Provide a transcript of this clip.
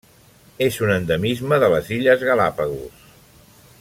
És un endemisme de les Illes Galápagos.